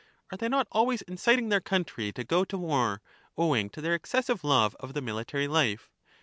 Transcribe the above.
Are they not always inciting their country to go to war, owing to their excessive love of the military life?